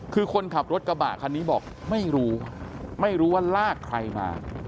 คือคนขับรถกระบะคันนี้บอกไม่รู้ไม่รู้ว่าลากใครมา